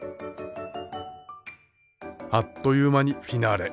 あっという間にフィナーレ。